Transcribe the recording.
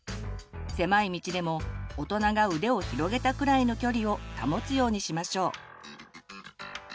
狭い道でも大人が腕を広げたくらいの距離を保つようにしましょう。